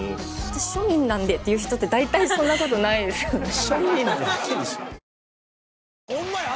「私庶民なんで」っていう人って大体そんなことないですよね。